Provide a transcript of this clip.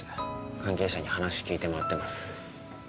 関係者に話聞いて回ってます